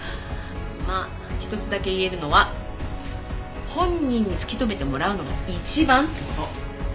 まあ一つだけ言えるのは本人に突き止めてもらうのが一番って事。